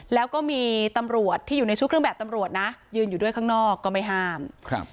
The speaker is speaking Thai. แล้วก็มีตำรวจที่อยู่ในชุดเครื่องแบบตำรวจนะยืนอยู่ด้วยข้างนอกก็ไม่ห้ามครับ